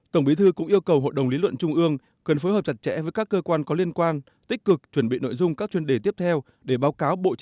tổng bí thư cũng yêu cầu hội đồng lý luận trung ương cần phối hợp chặt chẽ với các cơ quan có liên quan tích cực chuẩn bị nội dung các chuyên đề tiếp theo để báo cáo bộ chính trị